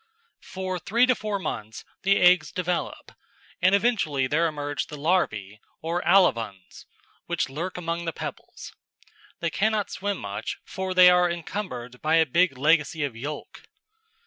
For three to four months the eggs develop, and eventually there emerge the larvæ or alevins, which lurk among the pebbles. They cannot swim much, for they are encumbered by a big legacy of yolk.